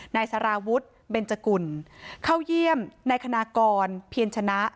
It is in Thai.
นายสารวุฒิเบนจกุลเข้าเยี่ยมนายคณากรเพียรชนะ